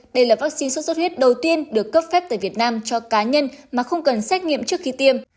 đây là vắc xin xuất xuất huyết đầu tiên được cấp phép tại việt nam cho cá nhân mà không cần xét nghiệm trước khi tiêm